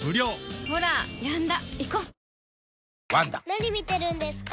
・何見てるんですか？